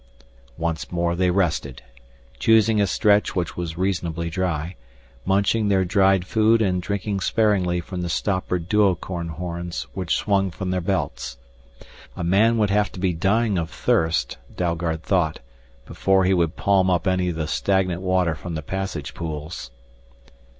Once more they rested, choosing a stretch which was reasonably dry, munching their dried food and drinking sparingly from the stoppered duocorn horns which swung from their belts. A man would have to be dying of thirst, Dalgard thought, before he would palm up any of the stagnant water from the passage pools.